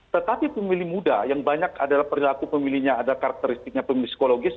tetapi pemilih muda yang banyak adalah perilaku pemilihnya ada karakteristiknya pemilih psikologis